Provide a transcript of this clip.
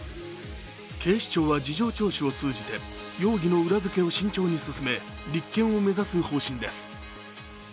警視庁は事情聴取を通じて容疑の裏付けを慎重に進め立件を目指す方針です。